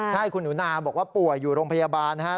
ใช่คุณหนูนาบอกว่าป่วยอยู่โรงพยาบาลนะครับ